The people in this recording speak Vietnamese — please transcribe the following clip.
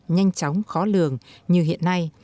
nhanh chóng khó lường như hiện nay